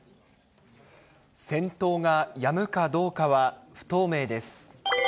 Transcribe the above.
戦闘がやむかどうかは不透明です。